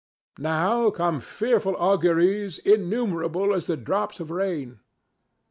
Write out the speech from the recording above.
Now come fearful auguries innumerable as the drops of rain.